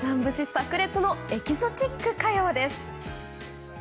炸裂のエキゾチック歌謡です。